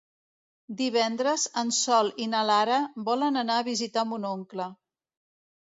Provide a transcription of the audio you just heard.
Divendres en Sol i na Lara volen anar a visitar mon oncle.